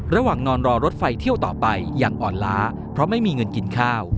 นอนรอรถไฟเที่ยวต่อไปอย่างอ่อนล้าเพราะไม่มีเงินกินข้าว